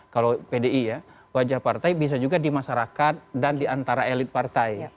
kalau pdi ya wajah partai bisa juga di masyarakat dan di antara elit partai